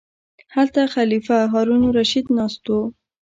هلته خلیفه هارون الرشید ناست و.